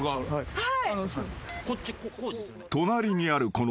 はい。